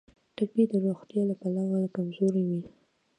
ټپي د روغتیا له پلوه کمزوری وي.